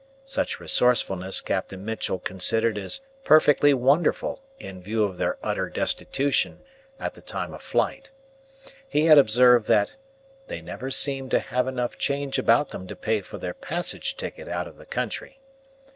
Such resourcefulness Captain Mitchell considered as perfectly wonderful in view of their utter destitution at the time of flight. He had observed that "they never seemed to have enough change about them to pay for their passage ticket out of the country."